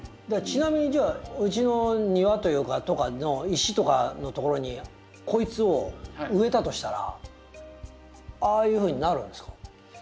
ちなみにじゃあうちの庭というかとかの石とかのところにこいつを植えたとしたらああいうふうになるんですか？